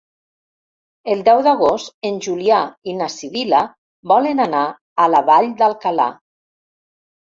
El deu d'agost en Julià i na Sibil·la volen anar a la Vall d'Alcalà.